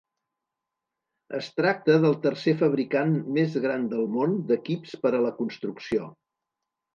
Es tracta del tercer fabricant més gran del món d'equips per a la construcció.